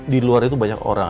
di luar itu banyak orang